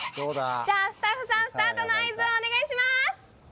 じゃスタッフさんスタートの合図をお願いします